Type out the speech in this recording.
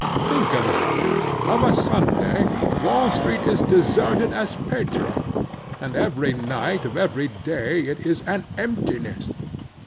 Think of it. Of a Sunday, Wall street is deserted as Petra; and every night of every day it is an emptiness.